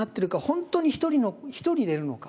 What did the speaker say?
本当に１人でいるのか。